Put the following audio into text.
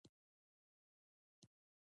دولتونه د ورته اقتصادي لورو سره یوځای کیږي